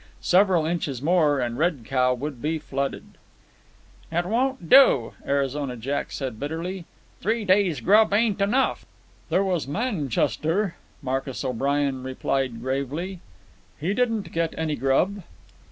Several inches more, and Red Cow would be flooded. "It won't do," Arizona Jack said bitterly. "Three days' grub ain't enough." "There was Manchester," Marcus O'Brien replied gravely. "He didn't get any grub."